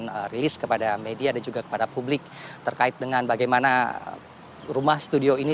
akan rilis kepada media dan juga kepada publik terkait dengan bagaimana rumah studio ini